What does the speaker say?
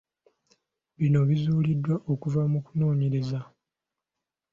Bino bizuuliddwa okuva mu kunoonyereza.